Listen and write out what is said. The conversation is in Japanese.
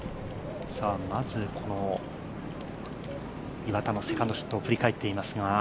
まず、岩田のセカンドショットを振り返っていますが。